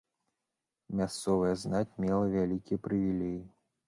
Мясцовая знаць мела вялікія прывілеі.